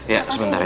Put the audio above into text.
ya sebentar ya